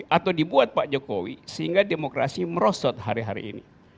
atau dibuat pak jokowi sehingga demokrasi merosot hari hari ini